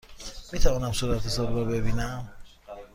می توانم صورتحساب را ببینم؟